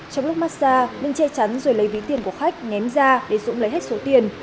trong lúc massage linh che chắn rồi lấy ví tiền của khách nhém da để dũng lấy hết số tiền